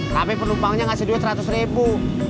tapi penumpangnya ngasih duit seratus ribu